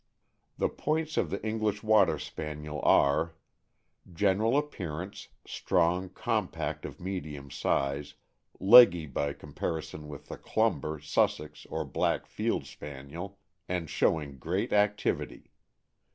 The points of the English Water Spaniel are : General appearance, strong, compact, of medium size, leggy by comparison with the Clumber, Sussex, or Black Field Spaniel, and showing great activity.